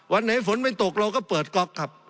วันไหนฝนไม่ตกเราก็เปิดก๊อกครับ